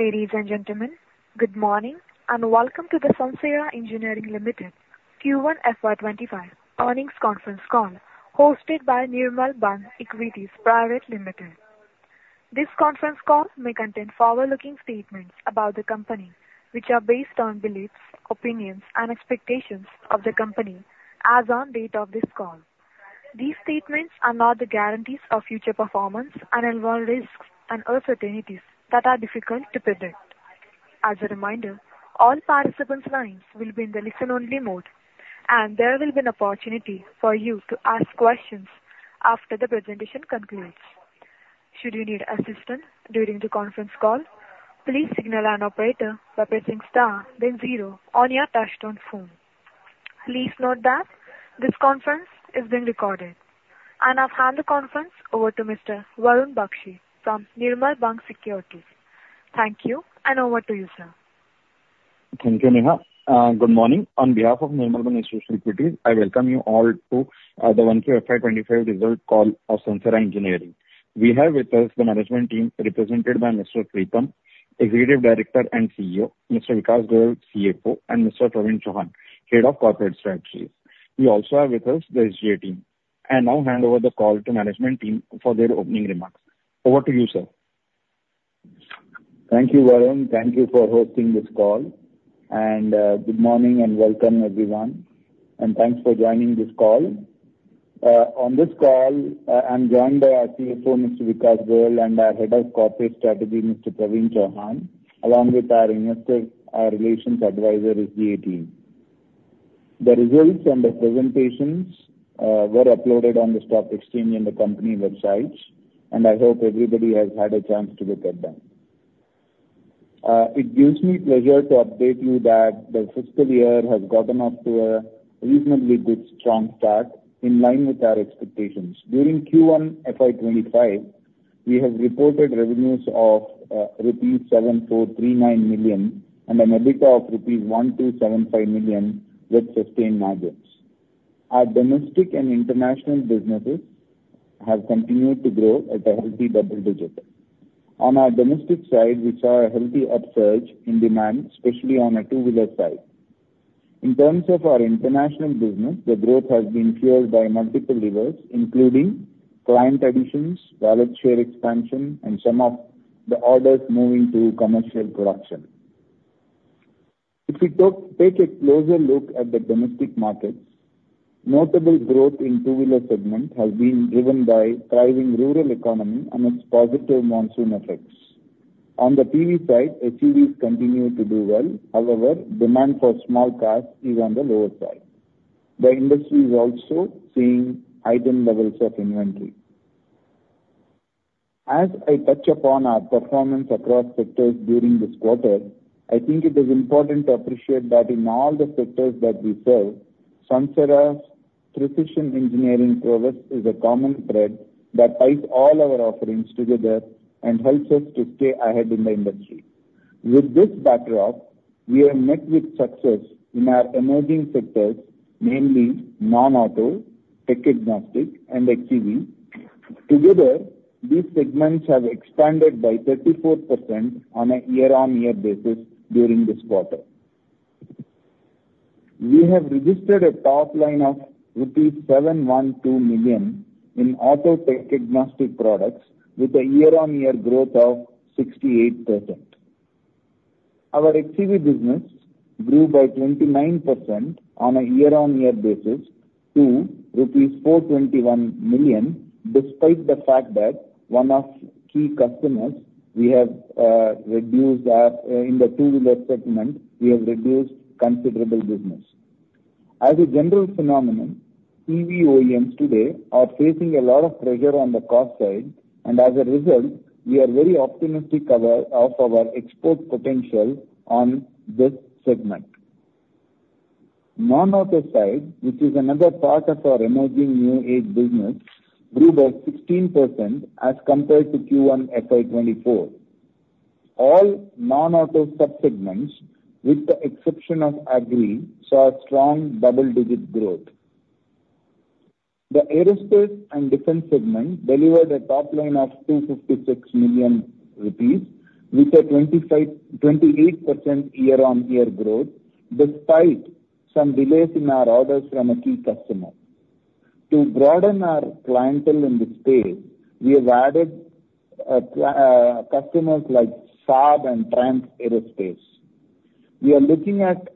Ladies and gentlemen, good morning, and welcome to the Sansera Engineering Limited Q1 FY25 earnings conference call, hosted by Nirmal Bang Equities Private Limited. This conference call may contain forward-looking statements about the company, which are based on beliefs, opinions, and expectations of the company as on date of this call. These statements are not the guarantees of future performance and involve risks and uncertainties that are difficult to predict. As a reminder, all participants' lines will be in the listen-only mode, and there will be an opportunity for you to ask questions after the presentation concludes. Should you need assistance during the conference call, please signal an operator by pressing star then zero on your touchtone phone. Please note that this conference is being recorded. I'll hand the conference over to Mr. Varun Baxi from Nirmal Bang Securities. Thank you, and over to you, sir. Thank you, Neha. Good morning. On behalf of Nirmal Bang Equities Private Limited, I welcome you all to the Q1 FY25 results call of Sansera Engineering. We have with us the management team, represented by Mr. Preetham, Executive Director and CEO, Mr. Vikas Goel, CFO, and Mr. Praveen Chauhan, Head of Corporate Strategies. We also have with us the SGA team. I now hand over the call to management team for their opening remarks. Over to you, sir. Thank you, Varun. Thank you for hosting this call, and good morning and welcome, everyone, and thanks for joining this call. On this call, I'm joined by our CFO, Mr. Vikas Goel, and our Head of Corporate Strategy, Mr. Praveen Chauhan, along with our investor relations advisor, the SGA team. The results and the presentations were uploaded on the stock exchange and the company websites, and I hope everybody has had a chance to look at them. It gives me pleasure to update you that the fiscal year has gotten off to a reasonably good, strong start, in line with our expectations. During Q1 FY25, we have reported revenues of rupees 7,439 million and an EBITDA of rupees 1,275 million with sustained margins. Our domestic and international businesses have continued to grow at a healthy double digits. On our domestic side, we saw a healthy upsurge in demand, especially on a two-wheeler side. In terms of our international business, the growth has been fueled by multiple levers, including client additions, wallet share expansion, and some of the orders moving to commercial production. If we take a closer look at the domestic markets, notable growth in two-wheeler segment has been driven by thriving rural economy and its positive monsoon effects. On the PV side, HEVs continue to do well. However, demand for small cars is on the lower side. The industry is also seeing heightened levels of inventory. As I touch upon our performance across sectors during this quarter, I think it is important to appreciate that in all the sectors that we serve, Sansera's precision engineering prowess is a common thread that ties all our offerings together and helps us to stay ahead in the industry. With this backdrop, we are met with success in our emerging sectors, namely non-auto, tech-agnostic, and XEV. Together, these segments have expanded by 34% on a year-on-year basis during this quarter. We have registered a top line of rupees 712 million in auto tech-agnostic products with a year-on-year growth of 68%. Our XEV business grew by 29% on a year-on-year basis to rupees 421 million, despite the fact that one of key customers, we have, reduced our, in the two-wheeler segment, we have reduced considerable business. As a general phenomenon, PV OEMs today are facing a lot of pressure on the cost side, and as a result, we are very optimistic about, of our export potential on this segment. Non-auto side, which is another part of our emerging new age business, grew by 16% as compared to Q1 FY 2024. All non-auto subsegments, with the exception of agri, saw strong double-digit growth. The aerospace and defense segment delivered a top line of 256 million rupees, with a 25-28% year-on-year growth, despite some delays in our orders from a key customer. To broaden our clientele in this space, we have added customers like Saab and Triumph Group. We are looking at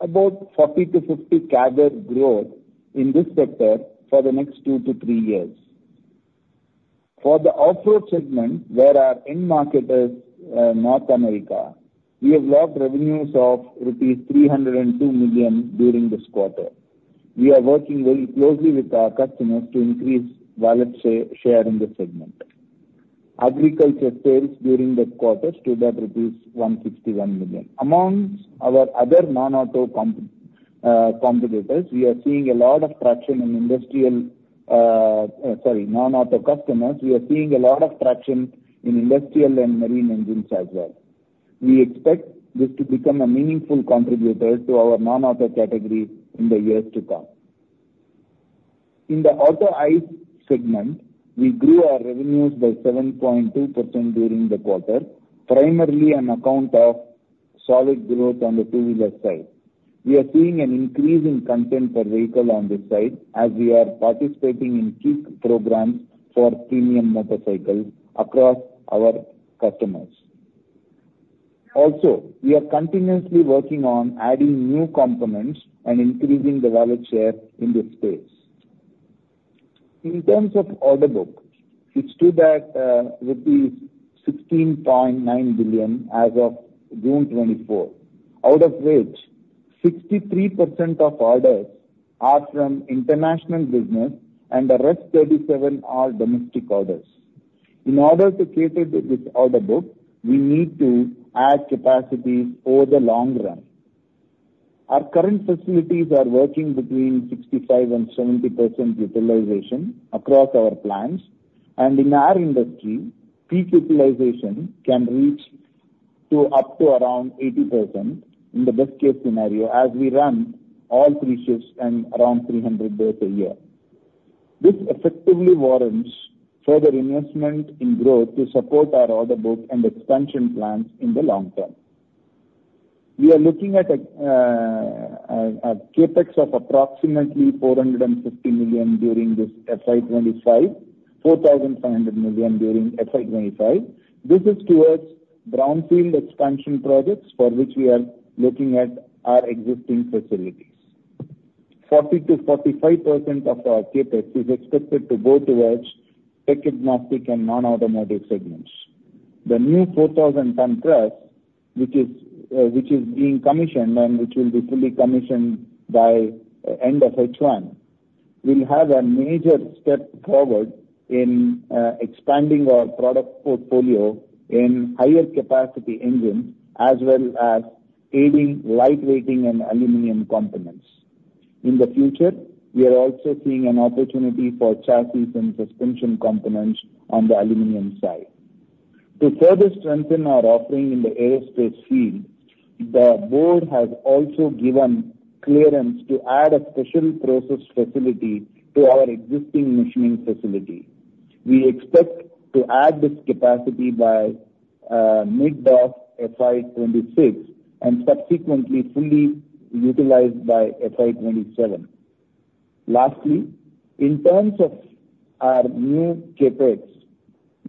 about 40-50% CAGR growth in this sector for the next 2-3 years. For the off-road segment, where our end market is North America, we have locked revenues of INR 302 million during this quarter. We are working very closely with our customers to increase wallet share in this segment. Agriculture sales during the quarter stood at rupees 161 million. Among our other non-auto comp, contributors, we are seeing a lot of traction in industrial, sorry, non-auto customers, we are seeing a lot of traction in industrial and marine engines as well. We expect this to become a meaningful contributor to our non-auto category in the years to come. In the auto ICE segment, we grew our revenues by 7.2% during the quarter, primarily on account of solid growth on the two-wheeler side. We are seeing an increase in content per vehicle on this side, as we are participating in key programs for premium motorcycles across our customers. Also, we are continuously working on adding new components and increasing the wallet share in this space. In terms of order book, it stood at 16.9 billion as of June 2024, out of which 63% of orders are from international business and the rest, 37%, are domestic orders. In order to cater to this order book, we need to add capacities over the long run. Our current facilities are working between 65%-70% utilization across our plants, and in our industry, peak utilization can reach to up to around 80% in the best case scenario, as we run all three shifts and around 300 days a year. This effectively warrants further investment in growth to support our order book and expansion plans in the long term. We are looking at a CapEx of approximately 450 million during this FY 2025, 4,500 million during FY 2025. This is towards brownfield expansion projects for which we are looking at our existing facilities. 40%-45% of our CapEx is expected to go towards tech-agnostic and non-automotive segments. The new 4,000-ton press, which is, which is being commissioned, and which will be fully commissioned by end of H1, will have a major step forward in, expanding our product portfolio in higher capacity engines, as well as aiding light weighting and aluminum components. In the future, we are also seeing an opportunity for chassis and suspension components on the aluminum side. To further strengthen our offering in the aerospace field, the board has also given clearance to add a special process facility to our existing machining facility. We expect to add this capacity by, mid of FY 2026, and subsequently fully utilized by FY 2027. Lastly, in terms of our new CapEx,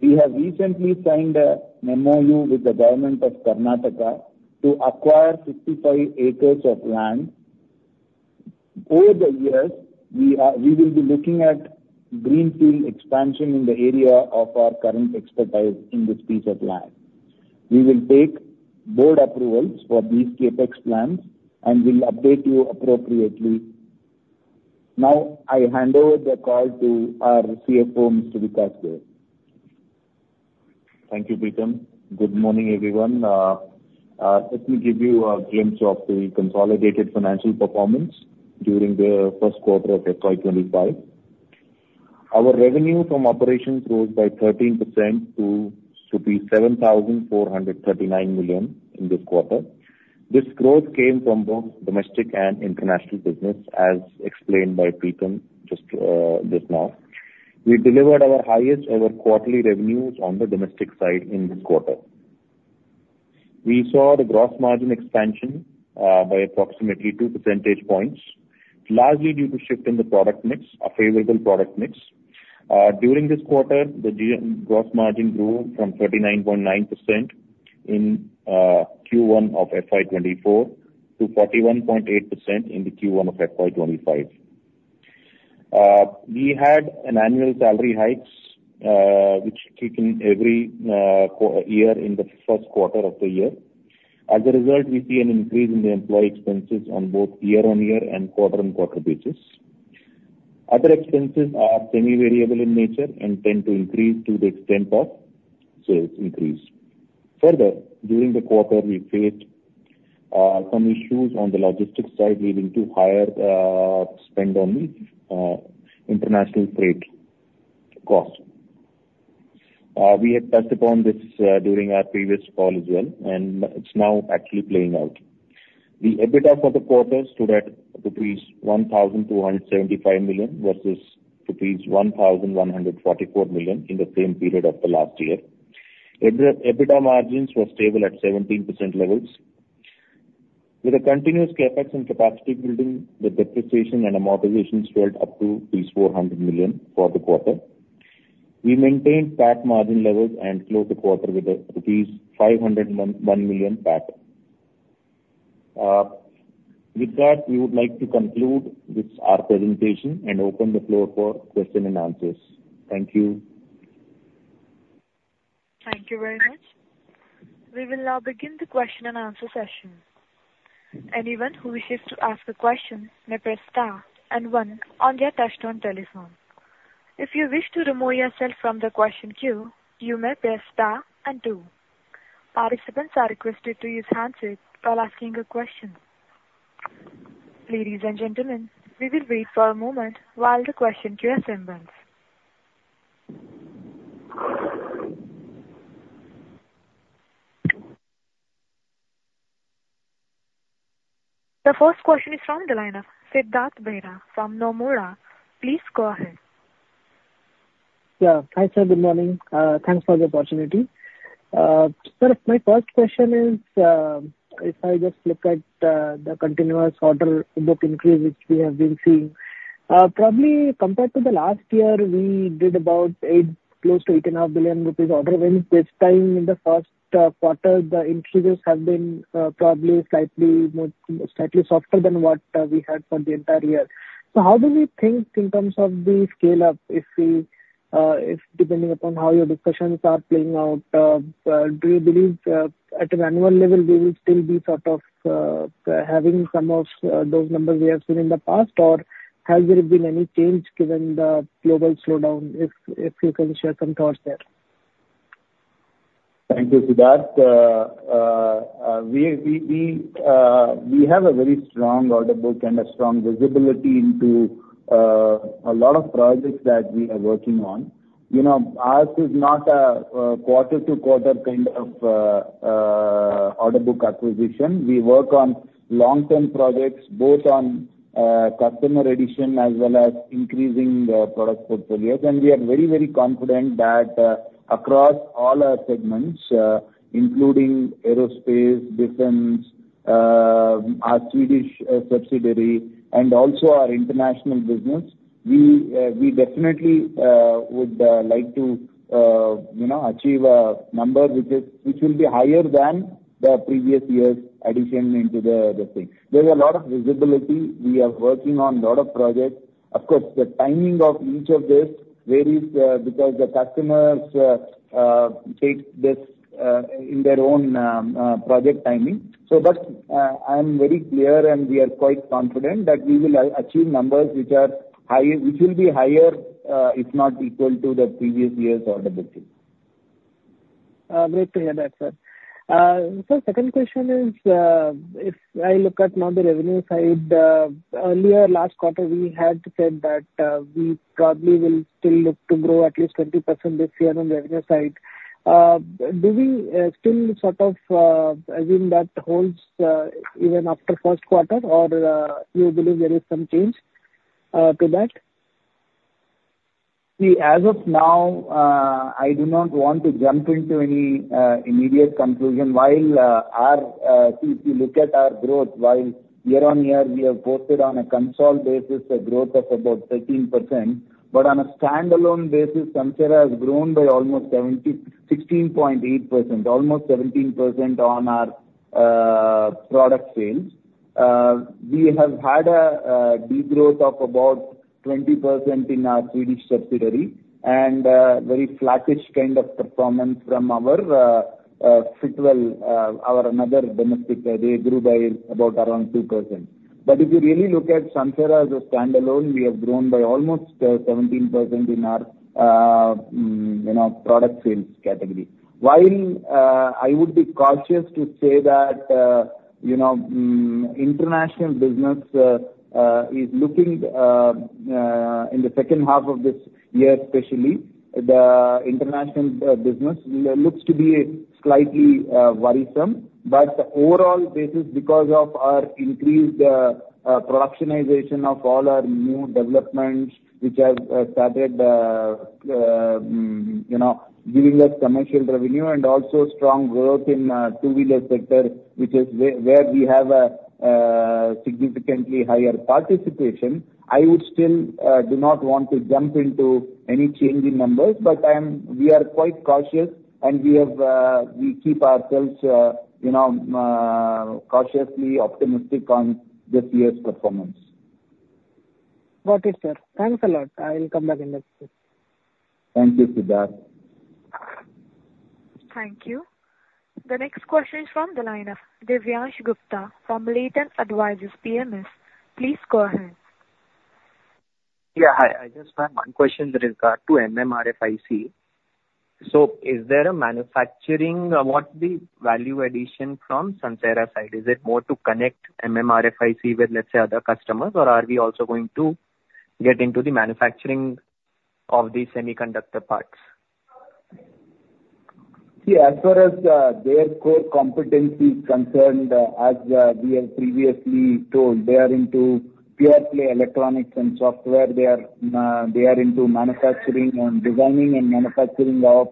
we have recently signed a MoU with the government of Karnataka to acquire 55 acres of land. Over the years, we will be looking at Greenfield expansion in the area of our current expertise in this piece of land. We will take board approvals for these CapEx plans, and we'll update you appropriately. Now, I hand over the call to our CFO, Mr. Vikas Goel. Thank you, Preetham. Good morning, everyone. Let me give you a glimpse of the consolidated financial performance during the first quarter of FY 25. Our revenue from operations grew by 13% to 7,439 million in this quarter. This growth came from both domestic and international business, as explained by Preetham just, just now. We delivered our highest ever quarterly revenues on the domestic side in this quarter. We saw the gross margin expansion by approximately two percentage points, largely due to shift in the product mix, a favorable product mix. During this quarter, the gross margin grew from 39.9% in Q1 of FY 24 to 41.8% in the Q1 of FY 25. We had an annual salary hikes, which kick in every year in the first quarter of the year. As a result, we see an increase in the employee expenses on both year-on-year and quarter-on-quarter basis. Other expenses are semi-variable in nature and tend to increase to the extent of sales increase. Further, during the quarter, we faced some issues on the logistics side, leading to higher spend on the international freight cost. We had touched upon this during our previous call as well, and it's now actually playing out. The EBITDA for the quarter stood at INR 1,275 million versus INR 1,144 million in the same period of the last year. EBITDA margins were stable at 17% levels. With a continuous CapEx and capacity building, the depreciation and amortization swelled up to 400 million for the quarter. We maintained PAT margin levels and closed the quarter with rupees 501 million PAT. With that, we would like to conclude this, our presentation, and open the floor for question and answers. Thank you. Thank you very much. We will now begin the question-and-answer session. Anyone who wishes to ask a question may press star and one on their touchtone telephone. If you wish to remove yourself from the question queue, you may press star and two. Participants are requested to use handsets while asking a question. Ladies and gentlemen, we will wait for a moment while the question queue assembles. The first question is from the line of Siddhartha Bera from Nomura. Please go ahead. Yeah. Hi, sir. Good morning, thanks for the opportunity. Sir, my first question is, if I just look at the continuous order book increase, which we have been seeing, probably compared to the last year, we did about 8-close to 8.5 billion rupees order. And this time in the first quarter, the increases have been probably slightly more--slightly softer than what we had for the entire year. So how do we think in terms of the scale-up, if we, if depending upon how your discussions are playing out, do you believe, at an annual level, we will still be sort of having some of those numbers we have seen in the past? Or has there been any change given the global slowdown, if you can share some thoughts there? Thank you, Siddhartha. We have a very strong order book and a strong visibility into a lot of projects that we are working on. You know, ours is not a quarter-to-quarter kind of order book acquisition. We work on long-term projects, both on customer addition as well as increasing the product portfolios. And we are very, very confident that across all our segments, including aerospace, defense, our Swedish subsidiary, and also our international business, we definitely would like to you know, achieve a number which will be higher than the previous year's addition into the mix. There is a lot of visibility. We are working on a lot of projects. Of course, the timing of each of this varies, because the customers take this in their own project timing. But, I am very clear, and we are quite confident that we will achieve numbers which are high, which will be higher, if not equal to the previous year's order booking. Great to hear that, sir. Sir, second question is, if I look at now the revenue side, earlier last quarter, we had said that, we probably will still look to grow at least 20% this year on the revenue side. Do we still sort of assume that holds even after first quarter, or you believe there is some change to that? See, as of now, I do not want to jump into any, immediate conclusion. While, our... If you look at our growth, while year-on-year, we have posted on a consolidated basis, a growth of about 13%, but on a standalone basis, Sansera has grown by almost seventeen point eight percent, almost 17% on our, product sales. We have had a, degrowth of about 20% in our Swedish subsidiary, and, very flattish kind of performance from our, Fitwel, our other domestic, they grew by about around 2%. But if you really look at Sansera as a standalone, we have grown by almost, 17% in our, you know, product sales category. While, I would be cautious to say that, you know, international business, is looking, in the second half of this year, especially, the international, business looks to be slightly, worrisome. But overall basis, because of our increased, productionization of all our new developments, which have, started, you know, giving us commercial revenue and also strong growth in, two-wheeler sector, which is where, where we have a, significantly higher participation, I would still, do not want to jump into any change in numbers, but I am- we are quite cautious, and we have, we keep ourselves, you know, cautiously optimistic on this year's performance. Got it, sir. Thanks a lot. I will come back in next week. Thank you, Siddhartha. Thank you. The next question is from the line of Divyansh Gupta from Latent Advisors PMS. Please go ahead. Yeah, hi. I just have one question with regard to MMRFIC. So is there a manufacturing, or what's the value addition from Sansera side? Is it more to connect MMRFIC with, let's say, other customers, or are we also going to get into the manufacturing of these semiconductor parts? See, as far as their core competency is concerned, as we have previously told, they are into pure play electronics and software. They are into manufacturing and designing and manufacturing of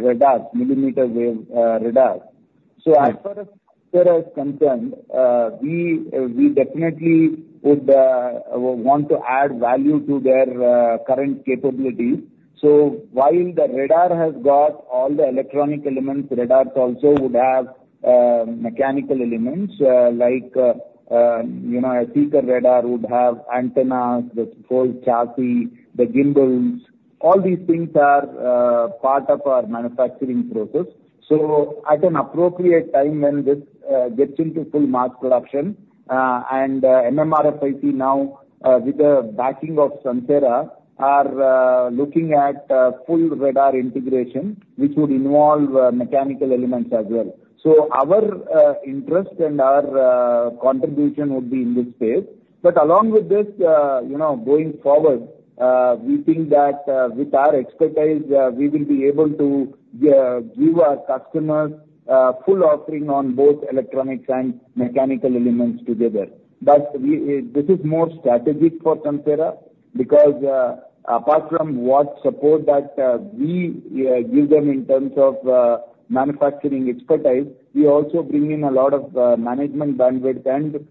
radars, millimeter wave radars. So as far as Sansera is concerned, we definitely would want to add value to their current capabilities. So while the radar has got all the electronic elements, radars also would have mechanical elements, like you know, a seeker radar would have antennas, the whole chassis, the gimbals. All these things are part of our manufacturing process. So at an appropriate time when this gets into full mass production, and MMRFIC now with the backing of Sansera are looking at full radar integration, which would involve mechanical elements as well. So our interest and our contribution would be in this space. But along with this, you know, going forward, we think that, with our expertise, we will be able to give our customers full offering on both electronics and mechanical elements together. But we, this is more strategic for Sansera because, apart from what support that, we give them in terms of, manufacturing expertise, we also bring in a lot of, management bandwidth and,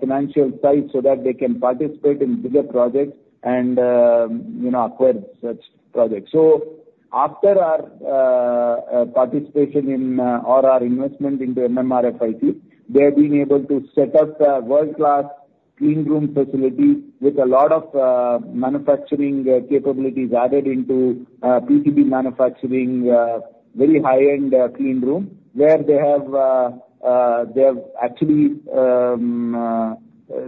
financial size so that they can participate in bigger projects and, you know, acquire such projects. So after our participation in, or our investment into MMRFIC, they're being able to set up a world-class-... Clean room facility with a lot of manufacturing capabilities added into PCB manufacturing, very high-end clean room, where they have actually,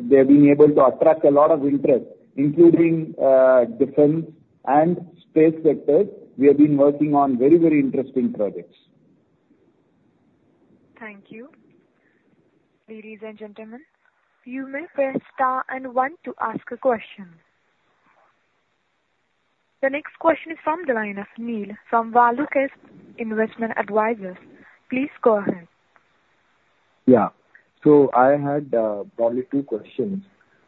they're being able to attract a lot of interest, including defense and space sectors. We have been working on very, very interesting projects. Thank you. Ladies and gentlemen, you may press star and one to ask a question. The next question is from the line of Neel Shah from ValueQuest Investment Advisors. Please go ahead. Yeah. So I had probably 2 questions.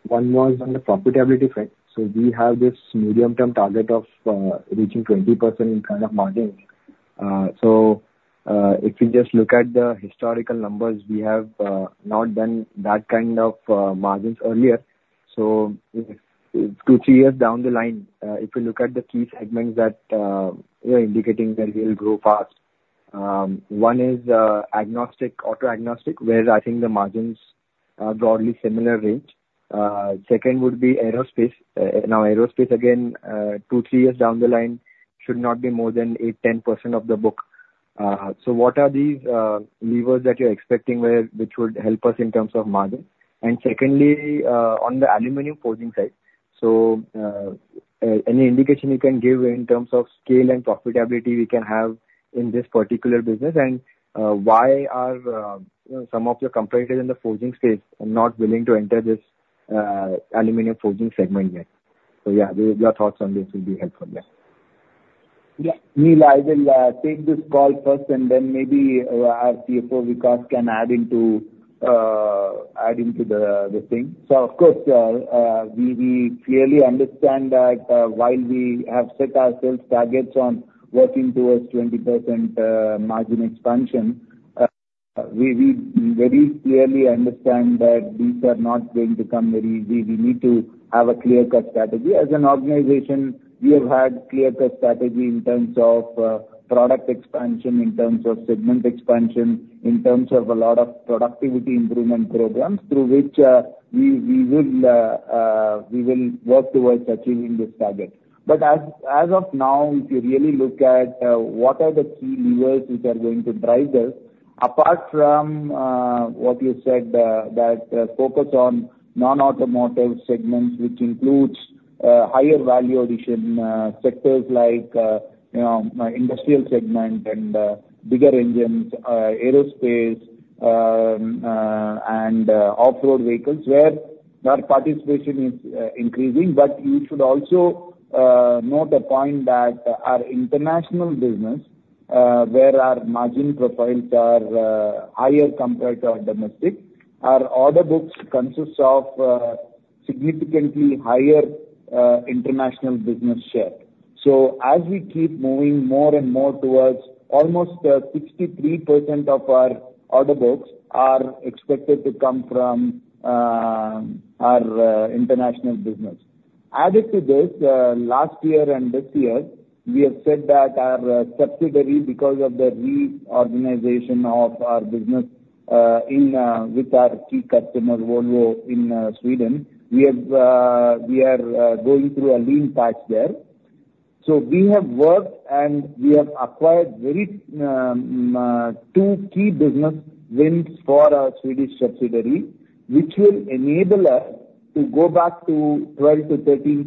1 was on the profitability front. So we have this medium-term target of reaching 20% in kind of margins. So if you just look at the historical numbers, we have not done that kind of margins earlier. So 2-3 years down the line, if you look at the key segments that you're indicating that they'll grow fast, 1 is agnostic, auto agnostic, where I think the margins are broadly similar range. Second would be aerospace. Now, aerospace, again, 2-3 years down the line, should not be more than 8-10% of the book. So what are these levers that you're expecting where, which would help us in terms of margin? Secondly, on the aluminum forging side, so, any indication you can give in terms of scale and profitability we can have in this particular business, and, why are some of your competitors in the forging space are not willing to enter this, aluminum forging segment yet? So, yeah, your thoughts on this will be helpful there. Yeah, Neel, I will take this call first, and then maybe our CFO, Vikas, can add into the thing. So of course, we clearly understand that while we have set ourselves targets on working towards 20% margin expansion, we very clearly understand that these are not going to come very easy. We need to have a clear-cut strategy. As an organization, we have had clear-cut strategy in terms of product expansion, in terms of segment expansion, in terms of a lot of productivity improvement programs, through which we will work towards achieving this target. But as of now, if you really look at what are the key levers which are going to drive us, apart from what you said, that focus on non-automotive segments, which includes higher value addition sectors like, you know, industrial segment and bigger engines, aerospace, and off-road vehicles, where our participation is increasing. But you should also note the point that our international business, where our margin profiles are higher compared to our domestic, our order books consists of significantly higher international business share. So as we keep moving more and more towards almost 63% of our order books are expected to come from our international business. Added to this, last year and this year, we have said that our subsidiary, because of the reorganization of our business, in, with our key customer, Volvo, in, Sweden, we have, we are, going through a lean patch there. So we have worked, and we have acquired very, two key business wins for our Swedish subsidiary, which will enable us to go back to 12%-13%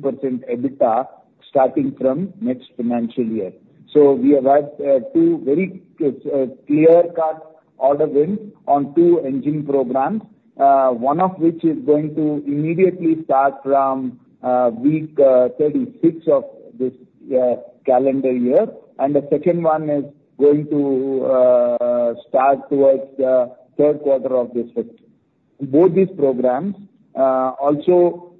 EBITDA, starting from next financial year. So we have had, two very, clear-cut order wins on two engine programs, one of which is going to immediately start from, week 36 of this, calendar year. And the second one is going to, start towards the third quarter of this fifth. Both these programs, also,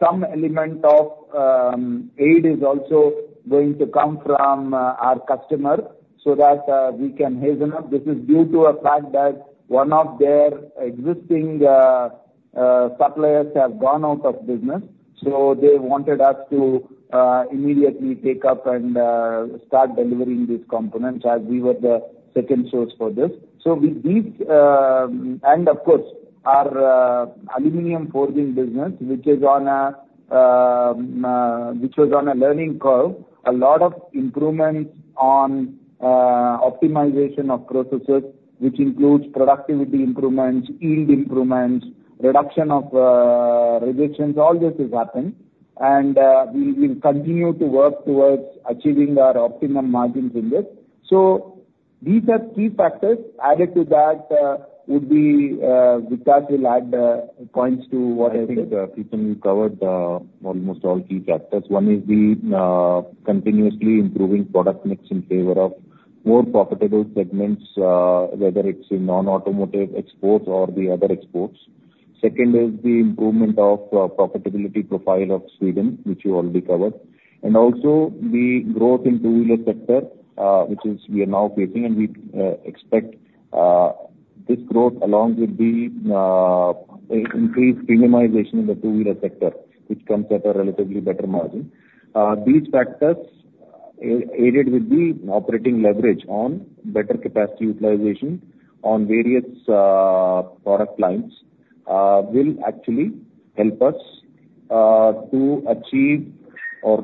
some element of aid is also going to come from our customer so that we can hasten up. This is due to a fact that one of their existing suppliers have gone out of business, so they wanted us to immediately take up and start delivering these components as we were the second source for this. So with these... And of course, our aluminum forging business, which was on a learning curve, a lot of improvements on optimization of processes, which includes productivity improvements, yield improvements, reduction of reductions, all this has happened. And we will continue to work towards achieving our optimum margins in this. So these are key factors. Added to that, would be, Vikas will add points to what I think. I think, Preetham, you covered almost all key factors. One is the continuously improving product mix in favor of more profitable segments, whether it's in non-automotive exports or the other exports. Second is the improvement of profitability profile of Sweden, which you already covered, and also the growth in two-wheeler sector, which is we are now facing, and we expect this growth along with the increased premiumization in the two-wheeler sector, which comes at a relatively better margin. These factors- ... aided with the operating leverage on better capacity utilization on various product lines will actually help us to achieve or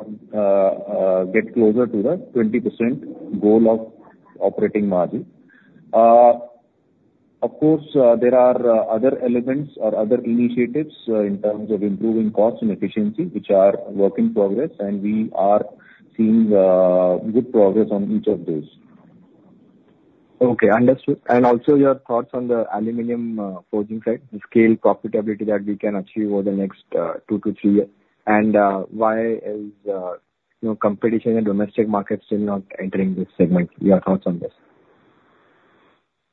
get closer to the 20% goal of operating margin. Of course, there are other elements or other initiatives in terms of improving cost and efficiency, which are work in progress, and we are seeing good progress on each of those. Okay, understood. And also your thoughts on the aluminum forging side, the scale profitability that we can achieve over the next two to three years, and why is, you know, competition in domestic markets still not entering this segment? Your thoughts on this.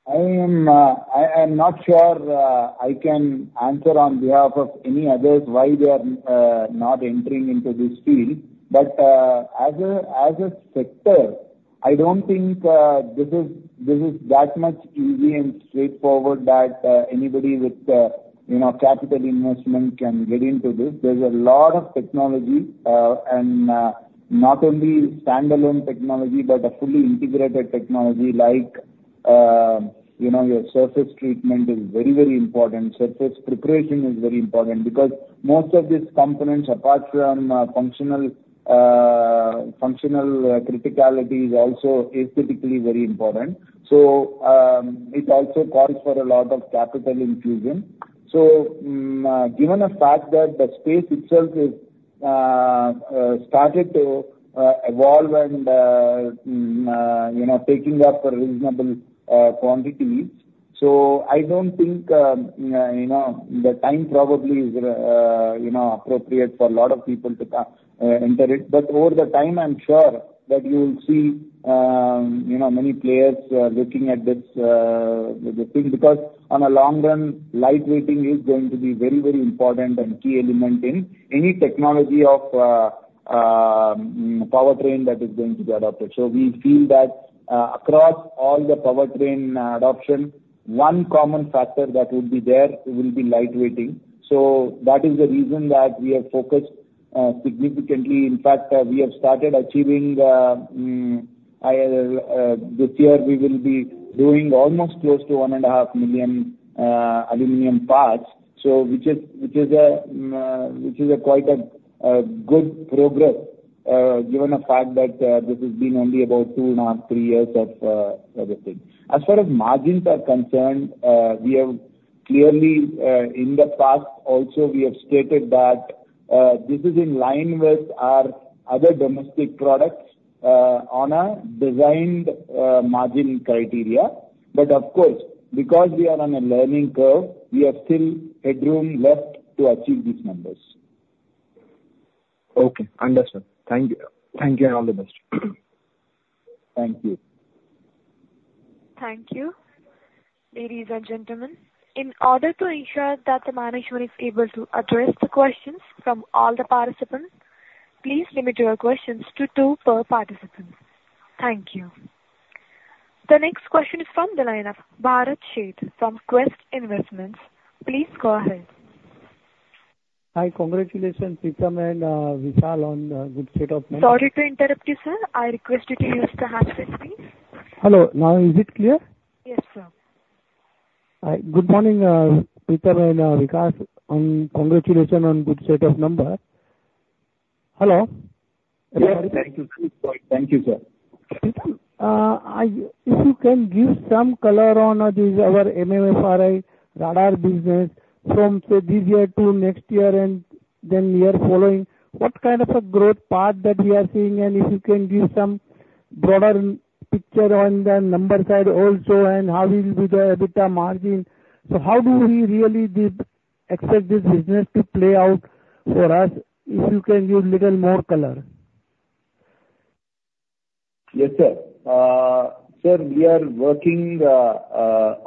I'm not sure I can answer on behalf of any others why they are not entering into this field. But as a sector, I don't think this is that much easy and straightforward that anybody with, you know, capital investment can get into this. There's a lot of technology and not only standalone technology, but a fully integrated technology, like, you know, your surface treatment is very, very important. Surface preparation is very important because most of these components, apart from functional criticality, is also aesthetically very important. So, it also calls for a lot of capital infusion. So, given the fact that the space itself is started to evolve and you know, taking up a reasonable quantity, so I don't think you know, the time probably is you know, appropriate for a lot of people to enter it. But over the time, I'm sure that you will see you know, many players looking at this thing, because on the long run, light weighting is going to be very, very important and key element in any technology of powertrain that is going to be adopted. So we feel that across all the powertrain adoption, one common factor that would be there will be light weighting. So that is the reason that we are focused significantly. In fact, we have started achieving, this year, we will be doing almost close to 1.5 million aluminum parts. So which is, which is a, which is a quite a, a good progress, given the fact that, this has been only about 2.5-3 years of, everything. As far as margins are concerned, we have clearly, in the past also, we have stated that, this is in line with our other domestic products, on a designed margin criteria. But of course, because we are on a learning curve, we have still headroom left to achieve these numbers. Okay, understood. Thank you. Thank you, and all the best. Thank you. Thank you. Ladies and gentlemen, in order to ensure that the management is able to address the questions from all the participants, please limit your questions to two per participant. Thank you. The next question is from the line of Bharat Sheth, from Quest Investment Advisors. Please go ahead. Hi. Congratulations, Preetham and Vikas, on the good state of mind. Sorry to interrupt you, sir. I request you to use the handset, please. Hello. Now is it clear? Yes, sir. Good morning, Preetham and Vikas, and congratulations on good set of numbers. Hello? Yes, thank you. Thank you, sir. If you can give some color on this, our MMRFIC radar business from, say, this year to next year, and then year following, what kind of a growth path that we are seeing? And if you know, you can give some broader picture on the number side also, and how will be the EBITDA margin. So how do we really did expect this business to play out for us, if you can give little more color? Yes, sir. Sir, we are working, rather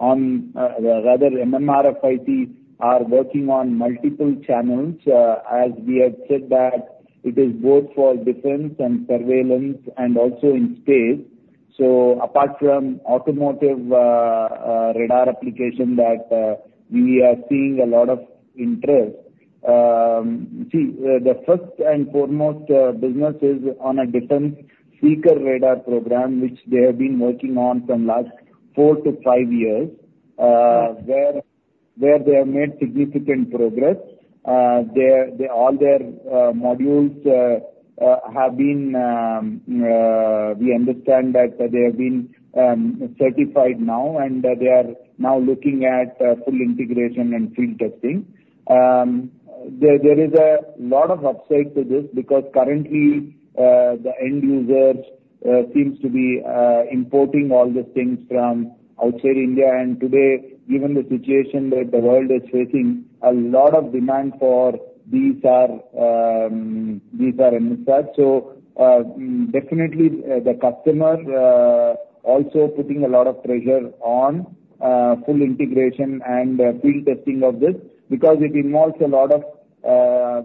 MMRFIC are working on multiple channels. As we have said, that it is both for defense and surveillance and also in space. So apart from automotive, radar application that we are seeing a lot of interest, the first and foremost business is on a defense seeker radar program, which they have been working on from last 4-5 years, where they have made significant progress. All their modules have been; we understand that they have been certified now, and they are now looking at full integration and field testing. There is a lot of upside to this, because currently the end users seems to be importing all the things from outside India. And today, given the situation that the world is facing, a lot of demand for these are these are inside. So definitely the customer also putting a lot of pressure on full integration and field testing of this, because it involves a lot of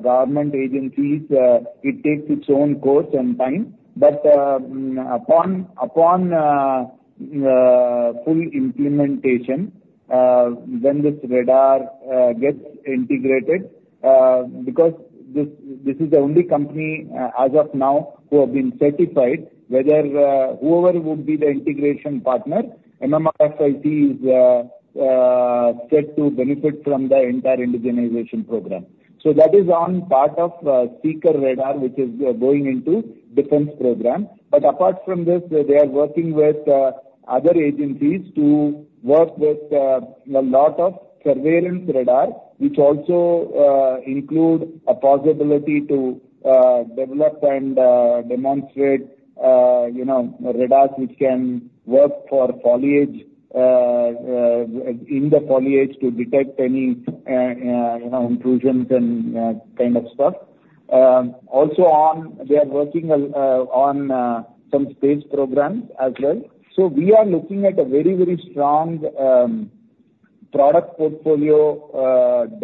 government agencies, it takes its own course and time. But upon full implementation, when this radar gets integrated, because this this is the only company as of now who have been certified, whether whoever would be the integration partner, MMRFIC is set to benefit from the entire indigenization program. So that is on part of Seeker Radar, which is going into defense program. But apart from this, they are working with other agencies to work with a lot of surveillance radar, which also include a possibility to develop and demonstrate, you know, radars which can work for foliage in the foliage to detect any you know intrusions and kind of stuff. Also, we are working on some space programs as well. So we are looking at a very, very strong product portfolio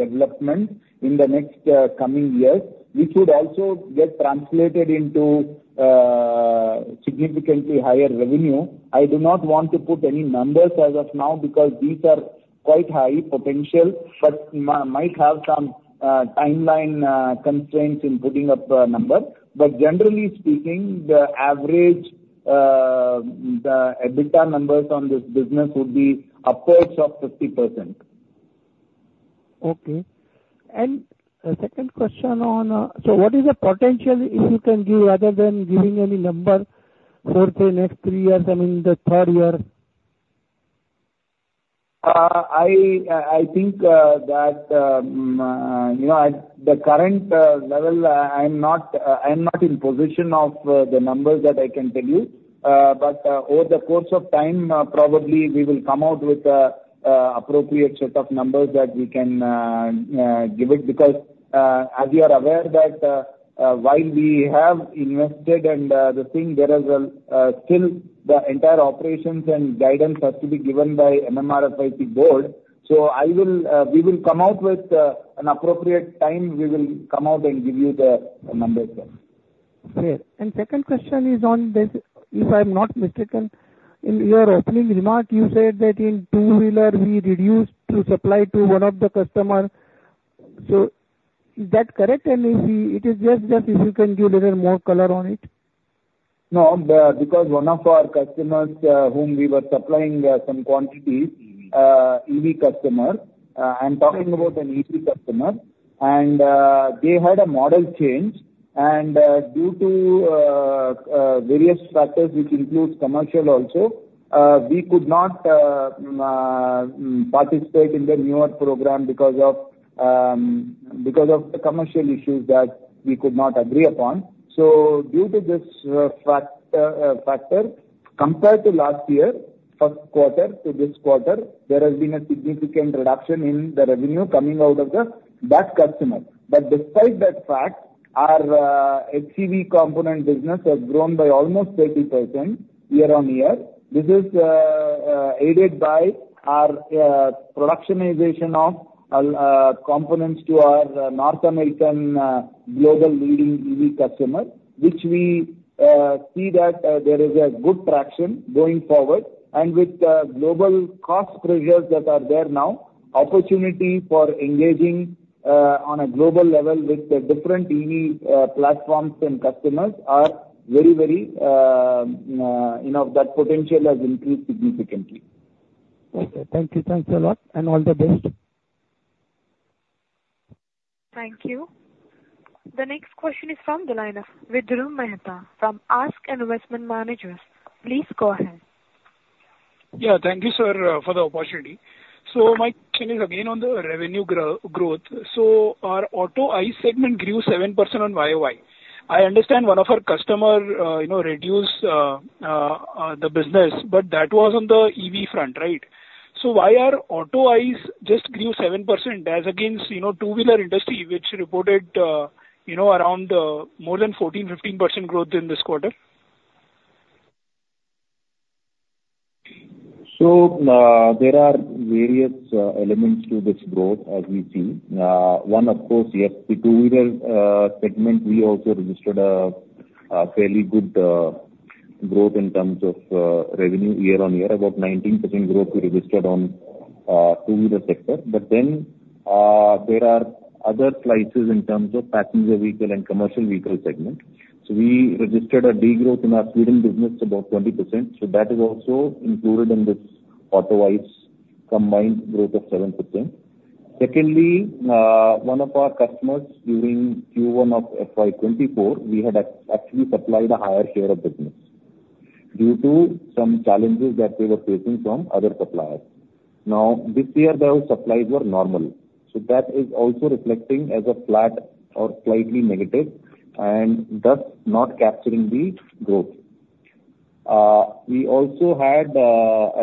development in the next coming years, which would also get translated into significantly higher revenue. I do not want to put any numbers as of now, because these are quite high potential, but might have some timeline constraints in putting up a number. But generally speaking, the average, the EBITDA numbers on this business would be upwards of 50%. Okay. A second question on so what is the potential, if you can give, other than giving any number for the next three years, I mean, the third year? I think that you know, at the current level, I'm not in position of the numbers that I can tell you. But over the course of time, probably we will come out with appropriate set of numbers that we can give it. Because as you are aware that while we have invested and the thing there is still the entire operations and guidance has to be given by MMRFIC board. So we will come out with an appropriate time, we will come out and give you the numbers then. Great. Second question is on this, if I'm not mistaken, in your opening remark, you said that in two-wheeler, we reduced to supply to one of the customer. So is that correct? And if we, it is just, just if you can give a little more color on it. No, because one of our customers, whom we were supplying, some quantities- Mm-hmm. EV customer, I'm talking about an EV customer, and due to various factors, which includes commercial also, we could not participate in the newer program because of the commercial issues that we could not agree upon. So due to this factor, compared to last year, first quarter to this quarter, there has been a significant reduction in the revenue coming out of that customer. But despite that fact, our HEV component business has grown by almost 30% year-on-year. This is aided by our productionization of components to our North American global leading EV customer, which we see that there is a good traction going forward. With the global cost pressures that are there now, opportunity for engaging on a global level with the different EV platforms and customers are very, very, you know, that potential has increased significantly. Okay. Thank you. Thanks a lot, and all the best. Thank you. The next question is from the line of Vidur Mehta from ASK Investment Managers. Please go ahead. Yeah, thank you, sir, for the opportunity. So my question is again on the revenue grow, growth. So our auto ICE segment grew 7% on YOY. I understand one of our customer, you know, reduced, the business, but that was on the EV front, right? So why our auto ICE just grew 7% as against, you know, two-wheeler industry, which reported, you know, around, more than 14, 15% growth in this quarter? So, there are various elements to this growth, as we see. One, of course, yes, the two-wheeler segment, we also registered a fairly good growth in terms of revenue year-on-year, about 19% growth we registered on two-wheeler sector. But then, there are other slices in terms of passenger vehicle and commercial vehicle segment. So we registered a degrowth in our three-wheel business, about 20%. So that is also included in this auto ICE combined growth of 7%. Secondly, one of our customers during Q1 of FY 2024, we had actually supplied a higher share of business due to some challenges that they were facing from other suppliers. Now, this year, those supplies were normal, so that is also reflecting as a flat or slightly negative and thus not capturing the growth. We also had,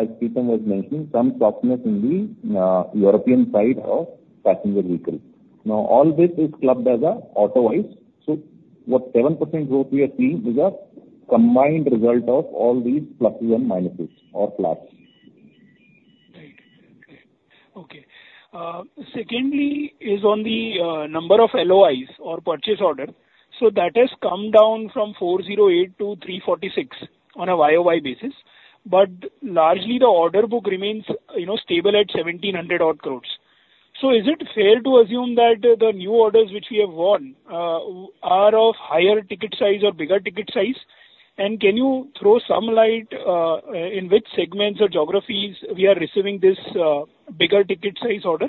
as Sriram was mentioning, some softness in the European side of passenger vehicles. Now, all this is clubbed as a auto ICE. So what 7% growth we are seeing is a combined result of all these pluses and minuses or flats.... Okay. Secondly is on the number of LOIs or purchase order. So that has come down from 408 to 346 on a YOY basis, but largely the order book remains, you know, stable at 1,700 crores. So is it fair to assume that the new orders which we have won are of higher ticket size or bigger ticket size? And can you throw some light in which segments or geographies we are receiving this bigger ticket size order?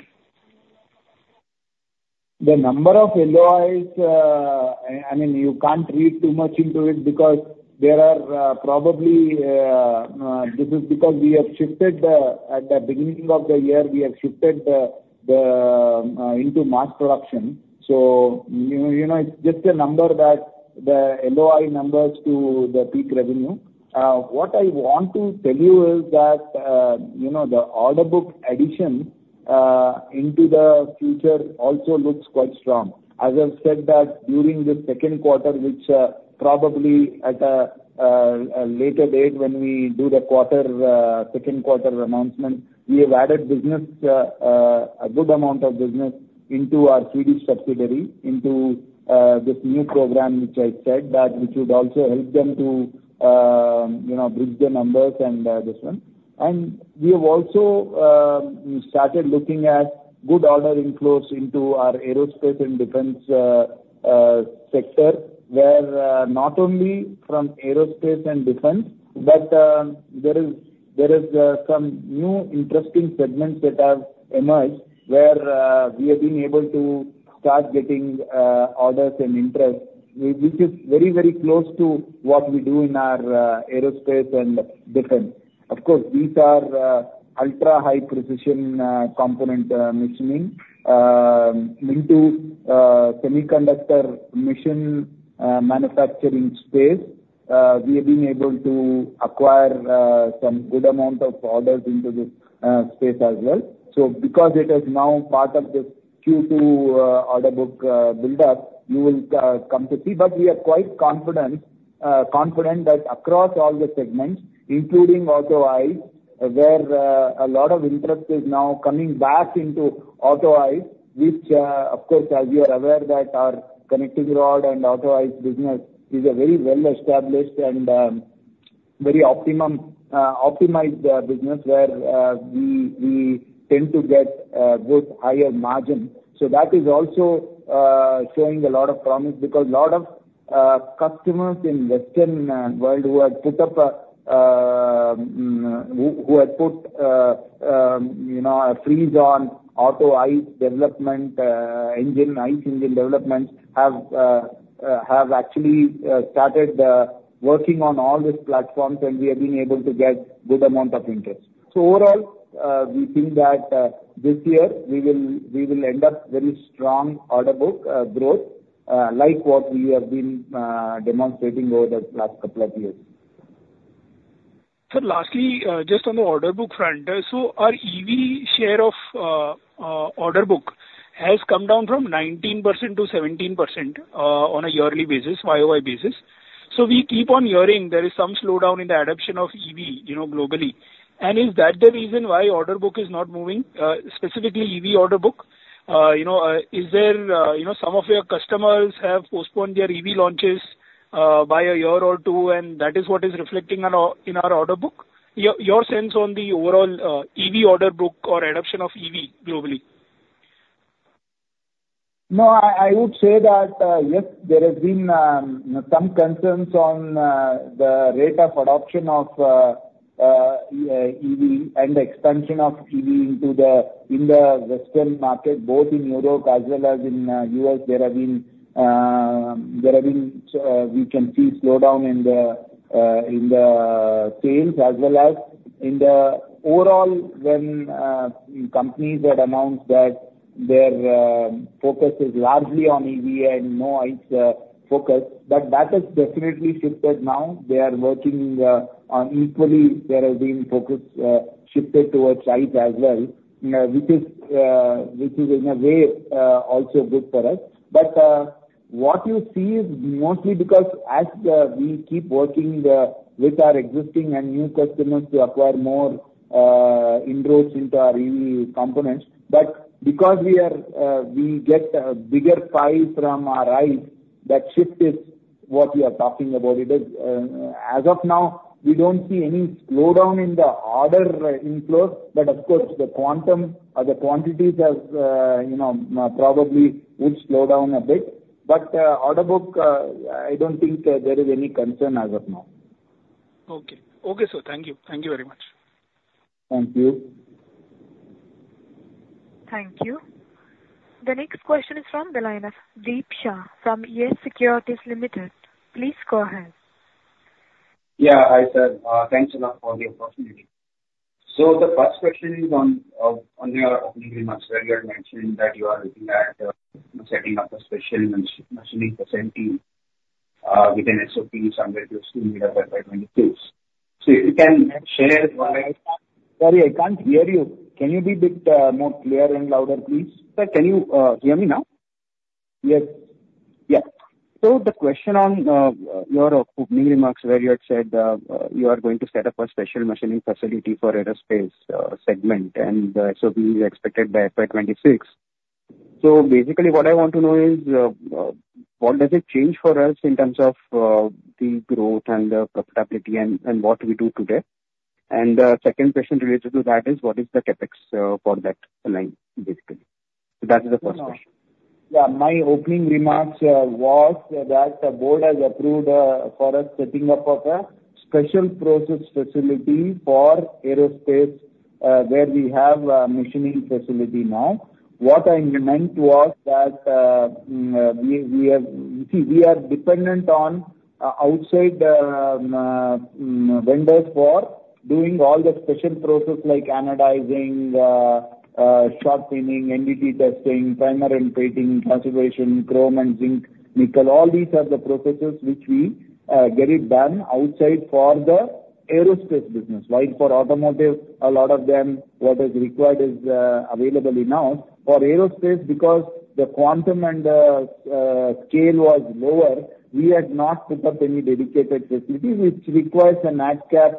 The number of LOIs, I mean, you can't read too much into it because there are probably this is because we have shifted the—at the beginning of the year, we have shifted the, the, into mass production. So you know, it's just a number that the LOI numbers to the peak revenue. What I want to tell you is that, you know, the order book addition into the future also looks quite strong. As I've said that during the second quarter, which probably at a later date when we do the quarter, second quarter announcement, we have added business, a good amount of business into our Swedish subsidiary, into this new program, which I said that which would also help them to, you know, bridge the numbers and this one. And we have also started looking at good order inflows into our aerospace and defense sector, where not only from aerospace and defense, but there is some new interesting segments that have emerged, where we have been able to start getting orders and interest. Which is very, very close to what we do in our aerospace and defense. Of course, these are ultra-high precision component machining into semiconductor machine manufacturing space. We have been able to acquire some good amount of orders into this space as well. So because it is now part of this Q2 order book build-up, you will come to see. But we are quite confident, confident that across all the segments, including auto ICE, where a lot of interest is now coming back into auto ICE, which, of course, as you are aware, that our connecting rod and auto ICE business is a very well-established and very optimum, optimized business, where we tend to get both higher margin. So that is also showing a lot of promise because a lot of customers in Western world who have put up a, who have put, you know, a freeze on auto ICE development, engine, ICE engine development, have actually started working on all these platforms, and we have been able to get good amount of interest. Overall, we think that this year we will end up very strong order book growth like what we have been demonstrating over the last couple of years. So lastly, just on the order book front. So our EV share of order book has come down from 19% to 17%, on a yearly basis, YOY basis. So we keep on hearing there is some slowdown in the adoption of EV, you know, globally. And is that the reason why order book is not moving, specifically EV order book? You know, is there, you know, some of your customers have postponed their EV launches, by a year or two, and that is what is reflecting on our, in our order book? Your sense on the overall EV order book or adoption of EV globally. No, I, I would say that, yes, there has been, some concerns on, the rate of adoption of, EV and the expansion of EV into the, in the Western market, both in Europe as well as in, U.S., there have been, there have been, we can see slowdown in the, in the sales as well as in the overall when, companies had announced that their, focus is largely on EV and no ICE, focus, but that has definitely shifted now. They are working, on equally there have been focus, shifted towards ICE as well, which is, which is in a way, also good for us. But what you see is mostly because as we keep working with our existing and new customers to acquire more inroads into our EV components, but because we are we get a bigger pie from our ICE, that shift is what we are talking about. It is, as of now, we don't see any slowdown in the order inflows, but of course, the quantum or the quantities have, you know, probably would slow down a bit. But order book, I don't think there is any concern as of now. Okay. Okay, sir, thank you. Thank you very much. Thank you. Thank you. The next question is from the line of Deep Shah from YES Securities Limited. Please go ahead. Yeah, hi, sir. Thanks a lot for the opportunity. So the first question is on your opening remarks, where you are mentioning that you are looking at setting up a special machining facility with an SOP somewhere between here by 22. So if you can share why- Sorry, I can't hear you. Can you be a bit more clear and louder, please? Sir, can you hear me now?... Yes. Yeah. So the question on your opening remarks, where you had said you are going to set up a special machining facility for aerospace segment, and so we expected by 26. So basically, what I want to know is what does it change for us in terms of the growth and the profitability and what we do today? And second question related to that is what is the CapEx for that line, basically? That is the first question. Yeah, my opening remarks was that the board has approved for us setting up of a special process facility for aerospace, where we have a machining facility now. What I meant was that, we are dependent on outside vendors for doing all the special process like anodizing, shot peening, NDT testing, primer and painting, conversion coating, chrome and zinc nickel. All these are the processes which we get it done outside for the aerospace business. While for automotive, a lot of them, what is required is available in-house. For aerospace, because the quantum and the scale was lower, we had not put up any dedicated facility which requires a Nadcap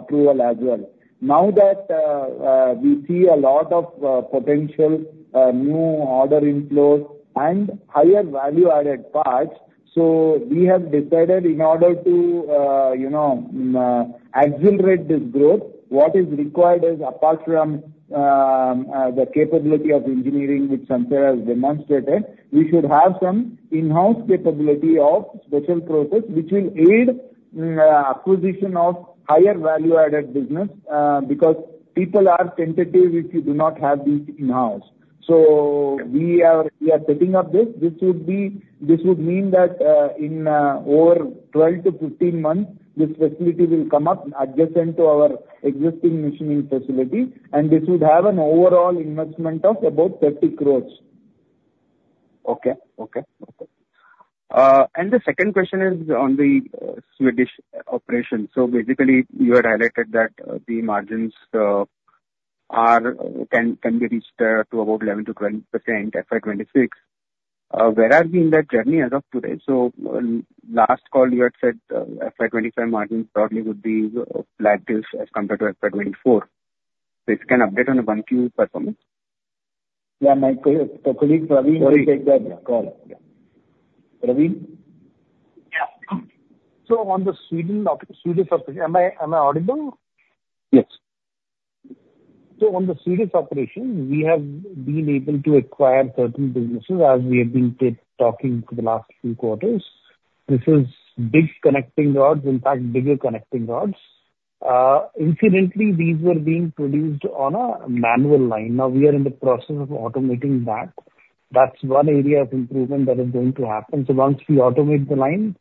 approval as well. Now that we see a lot of potential new order inflows and higher value-added parts, so we have decided in order to, you know, accelerate this growth, what is required is apart from the capability of engineering, which Sansera has demonstrated, we should have some in-house capability of special process which will aid acquisition of higher value-added business, because people are tentative if you do not have this in-house. So we are setting up this. This would mean that in over 12-15 months, this facility will come up adjacent to our existing machining facility, and this would have an overall investment of about 30 crore. Okay. Okay. Okay. And the second question is on the Swedish operation. So basically, you had highlighted that the margins can be reached to about 11%-12%, FY 2026. Where are we in that journey as of today? So, last call you had said, FY 2025 margin probably would be flat this as compared to FY 2024. So if you can update on the 1Q performance. Yeah, my colleague, Praveen, will take that call. Yeah. Praveen? Yeah. So on the Swedish operation... Am I audible? Yes. So on the Swedish operation, we have been able to acquire certain businesses as we have been talking for the last few quarters. This is big connecting rods, in fact, bigger connecting rods. Incidentally, these were being produced on a manual line. Now, we are in the process of automating that. That's one area of improvement that is going to happen. So once we automate the line,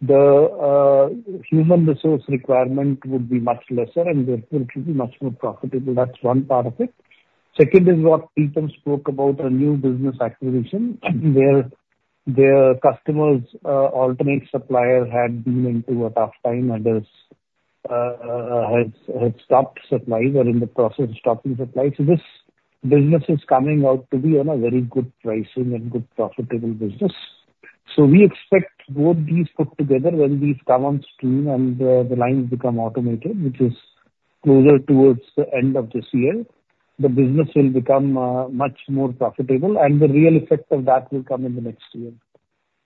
the human resource requirement would be much lesser, and therefore it will be much more profitable. That's one part of it. Second is what Preetham spoke about, a new business acquisition, where their customers' alternate supplier had been into a tough time, and had stopped supply, or are in the process of stopping supply. So this business is coming out to be on a very good pricing and good profitable business. So we expect both these put together when these come on stream and, the lines become automated, which is closer towards the end of this year, the business will become, much more profitable, and the real effect of that will come in the next year.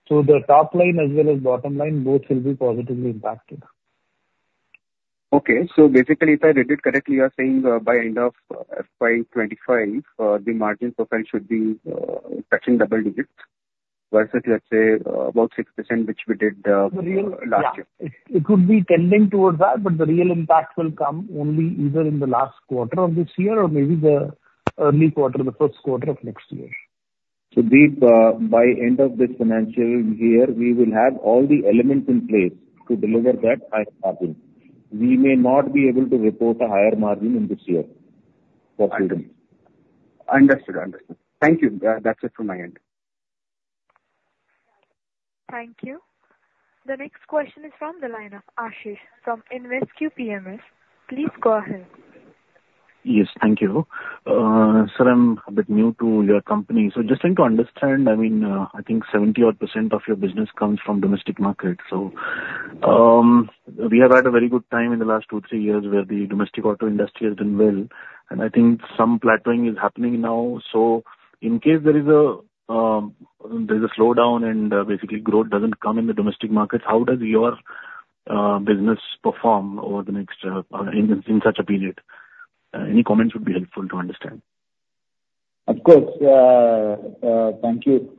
So the top line as well as bottom line, both will be positively impacted. Okay. So basically, if I read it correctly, you are saying, by end of FY 2025, the margin profile should be, touching double digits versus, let's say, about 6%, which we did last year. Yeah. It could be tending towards that, but the real impact will come only either in the last quarter of this year or maybe the early quarter, the first quarter of next year. Deep, by end of this financial year, we will have all the elements in place to deliver that higher margin. We may not be able to report a higher margin in this year, possibly. Understood. Understood. Thank you. That's it from my end. Thank you. The next question is from the line of Aashish Upganlawar from InvesQ PMS. Please go ahead. Yes, thank you. So I'm a bit new to your company, so just trying to understand, I mean, I think 70-odd% of your business comes from domestic market. So, we have had a very good time in the last 2, 3 years where the domestic auto industry has done well, and I think some plateauing is happening now. So in case there is a, there's a slowdown and, basically growth doesn't come in the domestic markets, how does your business perform over the next, in such a period? Any comments would be helpful to understand. Of course. Thank you.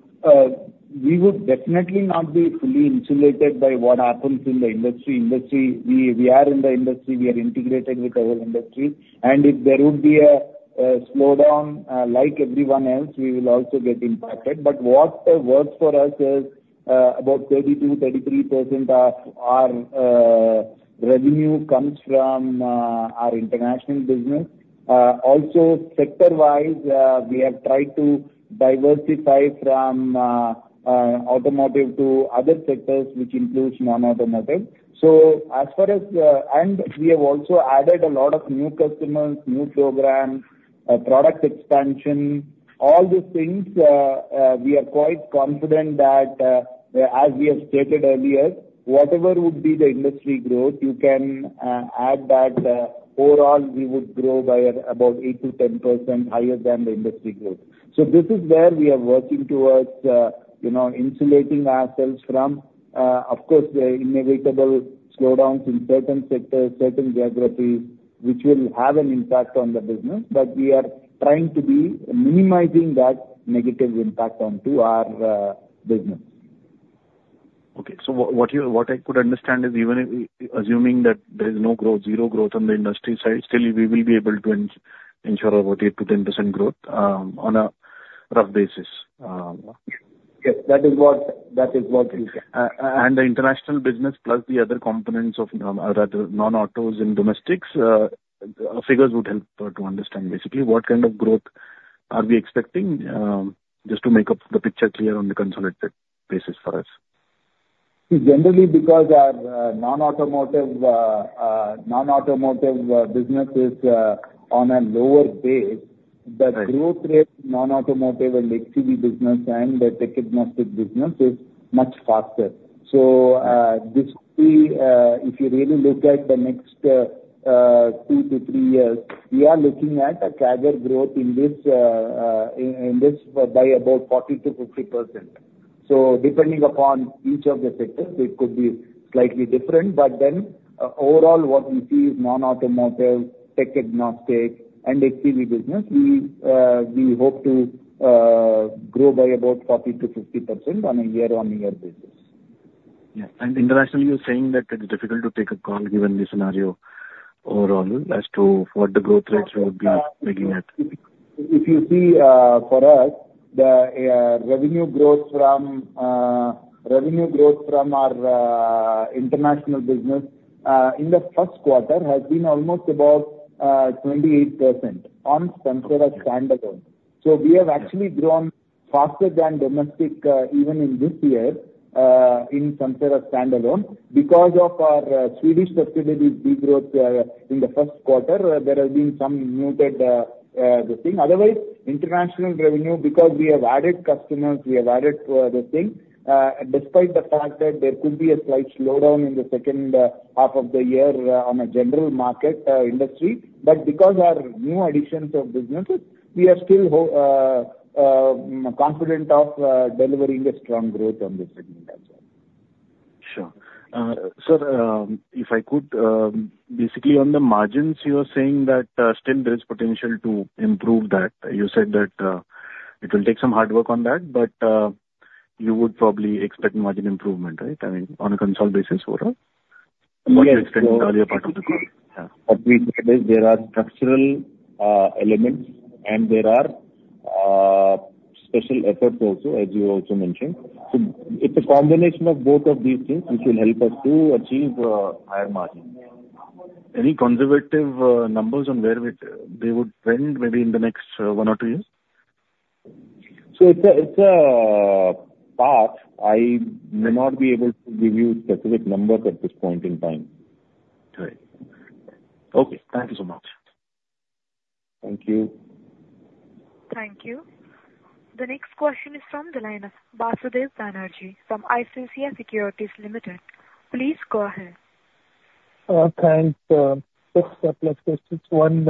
We would definitely not be fully insulated by what happens in the industry. Industry, we, we are in the industry, we are integrated with our industry, and if there would be a slowdown, like everyone else, we will also get impacted. But what works for us is, about 32%-33% of our revenue comes from our international business. Also, sector-wise, we have tried to diversify from automotive to other sectors, which includes non-automotive. So as far as... And we have also added a lot of new customers, new programs. Product expansion, all these things, we are quite confident that, as we have stated earlier, whatever would be the industry growth, you can add that, overall we would grow by about 8%-10% higher than the industry growth. So this is where we are working towards, you know, insulating ourselves from, of course, the inevitable slowdowns in certain sectors, certain geographies, which will have an impact on the business, but we are trying to be minimizing that negative impact onto our business. Okay. So what I could understand is even if assuming that there is no growth, zero growth on the industry side, still we will be able to ensure about 8%-10% growth, on a rough basis? Yes, that is what, that is what we say. And the international business plus the other components of, rather, non-autos and domestics, figures would help to understand, basically, what kind of growth are we expecting, just to make up the picture clear on the consolidated basis for us. Generally, because our non-automotive business is on a lower base- Right. The growth rate, non-automotive and XEV business and the tech-agnostic business is much faster. So, if you really look at the next 2-3 years, we are looking at a CAGR growth in this in this by about 40%-50%. So depending upon each of the sectors, it could be slightly different, but then overall, what we see is non-automotive, tech-agnostic and XEV business, we hope to grow by about 40%-50% on a year-on-year basis. Yes. Internationally, you're saying that it's difficult to take a call given the scenario overall as to what the growth rates would be looking at? If you see, for us, the revenue growth from revenue growth from our international business in the first quarter has been almost about 28% on Sansera standalone. So we have actually grown faster than domestic, even in this year, in Sansera standalone. Because of our Swedish subsidiary's degrowth in the first quarter, there has been some muted this thing. Otherwise, international revenue, because we have added customers, we have added the thing, despite the fact that there could be a slight slowdown in the second half of the year on a general market industry, but because our new additions of businesses, we are still confident of delivering a strong growth on this segment as well. Sure. Sir, if I could, basically on the margins, you are saying that still there is potential to improve that. You said that it will take some hard work on that, but you would probably expect margin improvement, right? I mean, on a consolidated basis overall. Yes. What you expected earlier part of the call? Yeah. There are structural elements, and there are special efforts also, as you also mentioned. So it's a combination of both of these things which will help us to achieve higher margins. Any conservative numbers on where we, they would trend maybe in the next one or two years? So it's a path. I may not be able to give you specific numbers at this point in time. Right. Okay, thank you so much. Thank you. Thank you. The next question is from the line of Basudev Banerjee from ICICI Securities Limited. Please go ahead. Thanks. Just a couple of questions. One,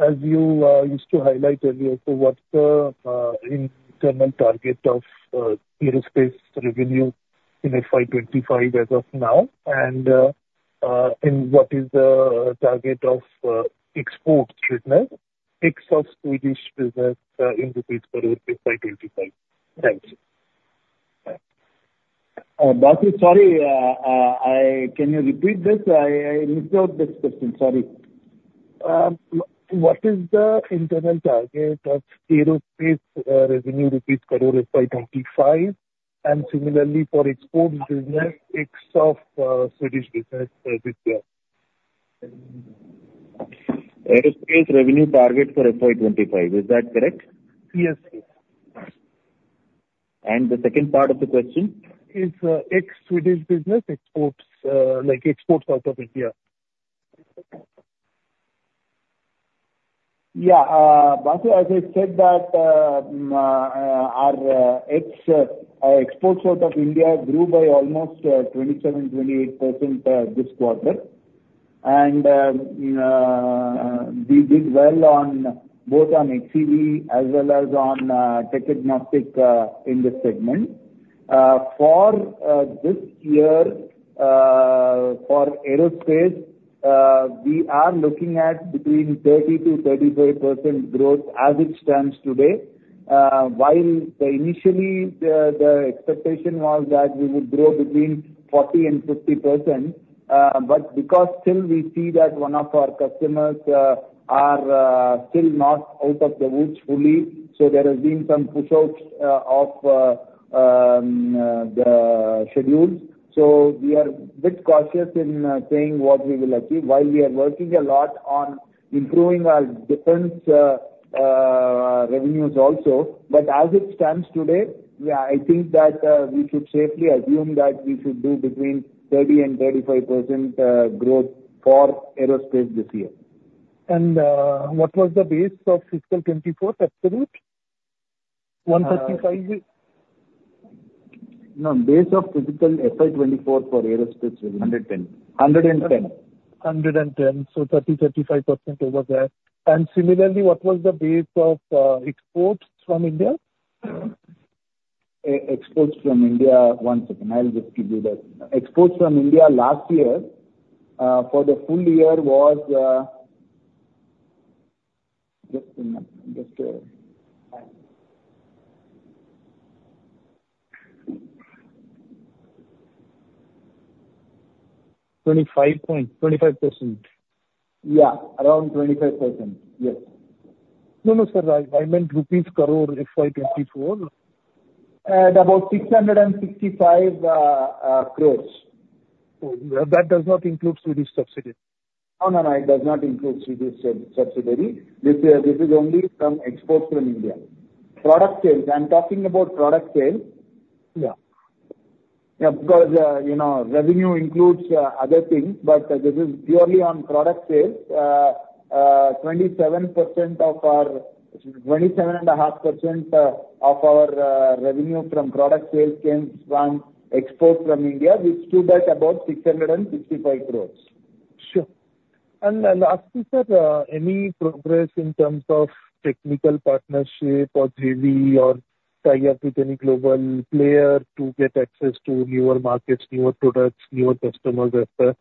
as you used to highlight earlier, so what's the internal target of Aerospace revenue in FY 25 as of now? And what is the target of export business, ex of Swedish business, in INR for FY 25? Thanks. Basudev, sorry. Can you repeat this? I missed out this question. Sorry. What is the internal target of Aerospace revenue rupees crore FY 2025, and similarly for export business, ex of Swedish business this year? Aerospace revenue target for FY 25, is that correct? Yes. The second part of the question? Is ex-Swedish business exports, like, exports out of India? Yeah. Basudev, as I said, that our exports out of India grew by almost 27-28% this quarter. We did well on both on HCV as well as on tech-agnostic in this segment. For this year, for Aerospace, we are looking at between 30%-35% growth as it stands today. While initially, the expectation was that we would grow between 40%-50%, but because still we see that one of our customers are still not out of the woods fully, so there has been some pushouts of the schedules. So we are a bit cautious in saying what we will achieve, while we are working a lot on improving our defense revenues also. As it stands today, yeah, I think that, we should safely assume that we should do between 30% and 35% growth for aerospace this year. What was the base of fiscal 2024, absolute? 135? No, base of fiscal FY24 for aerospace is- 110. 110. 110, so 30-35% over there. And similarly, what was the base of exports from India? Exports from India, one second, I'll just give you the... Exports from India last year, for the full year was, just a minute. Just, 25.25%. Yeah, around 25%. Yes. No, no, sir, I, I meant rupees crore FY 2024. About 665 crore. Oh, that does not include Swedish subsidiary? No, no, no, it does not include Swedish subsidiary. This here, this is only from exports from India. Product sales, I'm talking about product sales. Yeah. Yeah, because, you know, revenue includes other things, but this is purely on product sales. Twenty-seven percent of our—twenty-seven and a half percent, of our, revenue from product sales comes from exports from India, which stood at about 665 crore. Sure. And asking, sir, any progress in terms of technical partnership or JV or tie-up with any global player to get access to newer markets, newer products, newer customers, et cetera?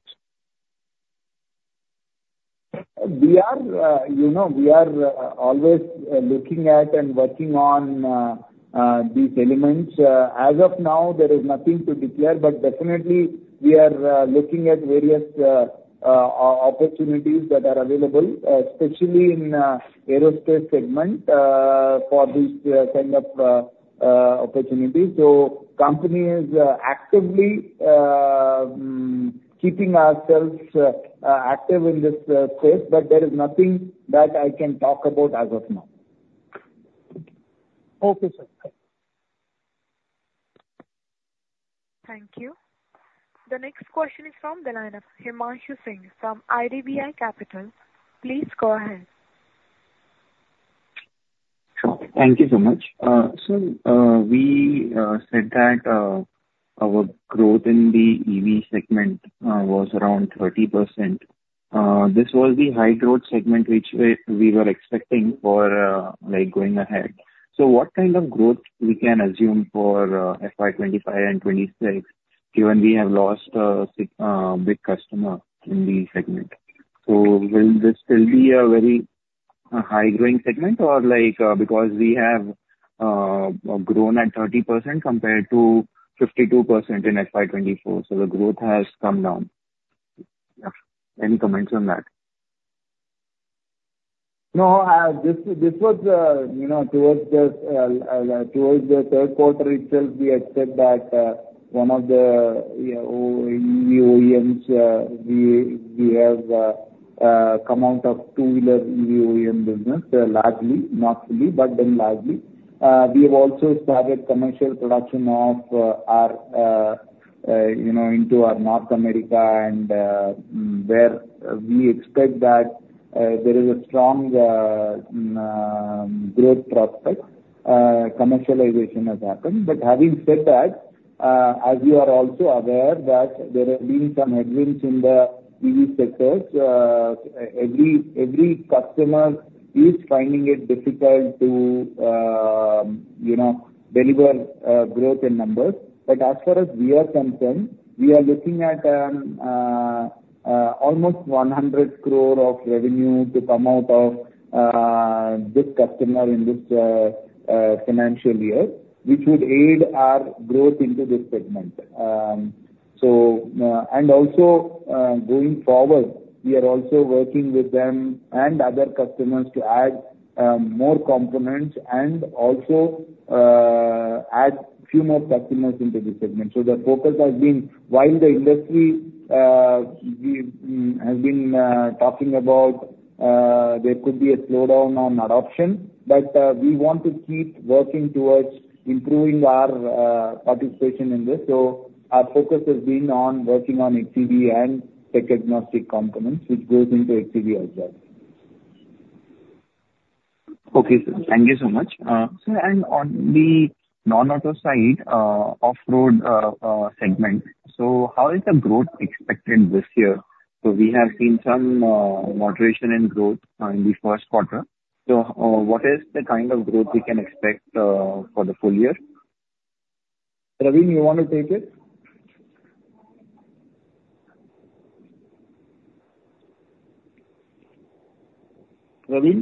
We are, you know, we are always looking at and working on these elements. As of now, there is nothing to declare, but definitely we are looking at various opportunities that are available, especially in aerospace segment, for this kind of opportunity. So company is actively keeping ourselves active in this space, but there is nothing that I can talk about as of now. Okay, sir. Thank you. The next question is from the line of Himanshu Singh from IDBI Capital. Please go ahead. Sure. Thank you so much. So, we said that our growth in the EV segment was around 30%. This was the high growth segment which we, we were expecting for, like, going ahead. So what kind of growth we can assume for FY 2025 and 2026, given we have lost six big customer in the segment? So will this still be a very high-growing segment, or like, because we have grown at 30% compared to 52% in FY 2024, so the growth has come down. Yeah. Any comments on that? No, this, this was, you know, towards the, towards the third quarter itself, we expect that, one of the OEMs, we, we have, come out of two-wheeler EV OEM business, largely, not fully, but then largely. We have also started commercial production of, our, you know, into our North America and, where we expect that, there is a strong, growth prospect, commercialization has happened. But having said that, as you are also aware, that there have been some headwinds in the EV sectors. Every, every customer is finding it difficult to, you know, deliver, growth in numbers. But as far as we are concerned, we are looking at almost 100 crore of revenue to come out of this customer in this financial year, which would aid our growth into this segment. So, and also, going forward, we are also working with them and other customers to add more components and also add few more customers into this segment. So the focus has been, while the industry, we have been talking about there could be a slowdown on adoption, but we want to keep working towards improving our participation in this. So our focus has been on working on ATV and tech-agnostic components, which goes into ATV as well. Okay, sir, thank you so much. So, on the non-auto side, off-road segment, so how is the growth expected this year? So we have seen some moderation in growth in the first quarter. So, what is the kind of growth we can expect for the full year? Praveen, you want to take it? Praveen?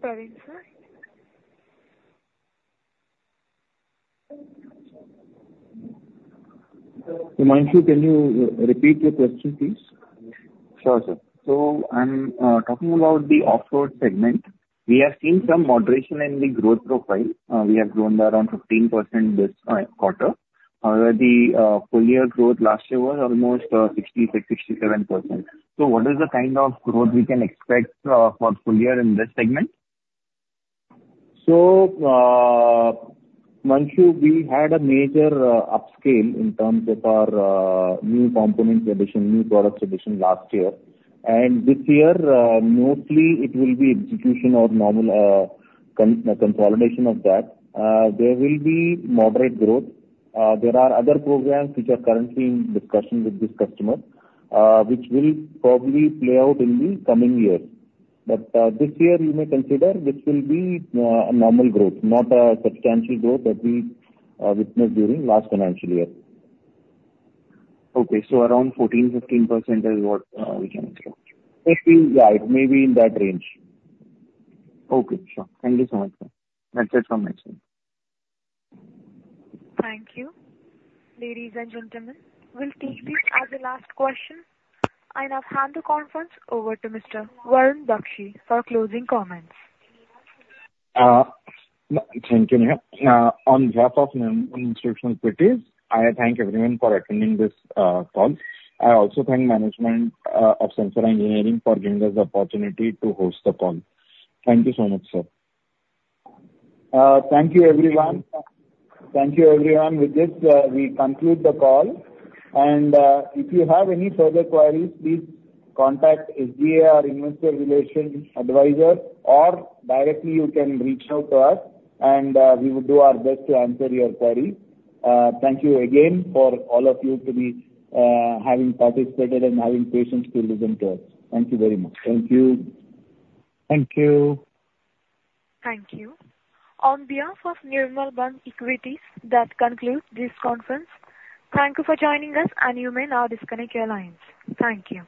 Sorry, sir. Himanshu, can you repeat your question, please? Sure, sir. So I'm talking about the off-road segment. We have seen some moderation in the growth profile. We have grown around 15% this quarter. However, the full year growth last year was almost 60, 67%. So what is the kind of growth we can expect for full year in this segment? So, Himanshu, we had a major upscale in terms of our new components addition, new products addition last year. This year, mostly it will be execution or normal consolidation of that. There will be moderate growth. There are other programs which are currently in discussion with this customer, which will probably play out in the coming years. This year, you may consider this will be a normal growth, not a substantial growth that we witnessed during last financial year. Okay. Around 14%-15% is what we can expect? 15, yeah, it may be in that range. Okay, sure. Thank you so much, sir. That's it from my side. Thank you. Ladies and gentlemen, we'll take this as the last question. I now hand the conference over to Mr. Varun Baxi for closing comments. Thank you, Neha. On behalf of Nirmal Bang Equities, I thank everyone for attending this call. I also thank management of Sansera Engineering for giving us the opportunity to host the call. Thank you so much, sir. Thank you, everyone. Thank you, everyone. With this, we conclude the call, and, if you have any further queries, please contact SGA or Investor Relations advisor, or directly you can reach out to us and, we will do our best to answer your query. Thank you again for all of you to be, having participated and having patience to listen to us. Thank you very much. Thank you. Thank you. Thank you. On behalf of Nirmal Bang Equities, that concludes this conference. Thank you for joining us, and you may now disconnect your lines. Thank you.